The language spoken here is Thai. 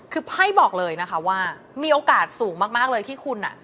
คือไพ่บอกเลยนะคะว่ามีโอกาสสูงมากเลยที่คุณอ่ะ